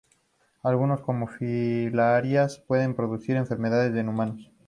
Algunos, como las filarias, pueden producir enfermedades en humanos.